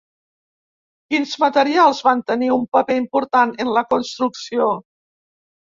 Quins materials van tenir un paper important en la construcció?